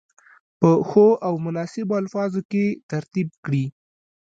په ښو او مناسبو الفاظو کې ترتیب کړي.